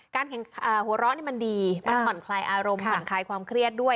หัวเราะนี่มันดีมันผ่อนคลายอารมณ์ผ่อนคลายความเครียดด้วย